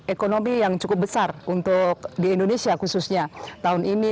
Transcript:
ekonomi yang cukup besar untuk di indonesia khususnya tahun ini